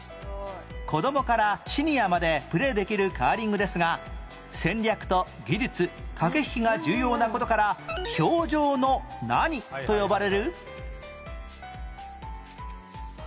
子供からシニアまでプレーできるカーリングですが戦略と技術駆け引きが重要な事から「氷上の何」と呼ばれる？